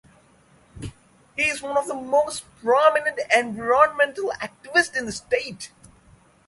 He is one of the most prominent environmental activists in the state.